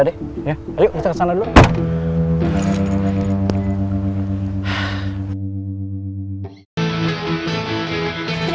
sampai jumpa di video selanjutnya